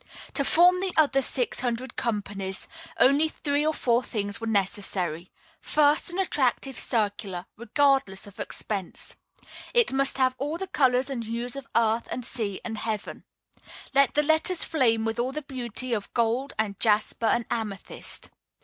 To form the other six hundred companies, only three or four things were necessary: First, an attractive circular, regardless of expense. It must have all the colors and hues of earth, and sea, and heaven. Let the letters flame with all the beauty of gold, and jasper, and amethyst.